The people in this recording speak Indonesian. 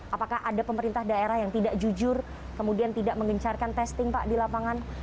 apakah ada pemerintah daerah yang tidak jujur kemudian tidak mengencarkan testing pak di lapangan